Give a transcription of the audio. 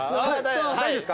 大丈夫ですか？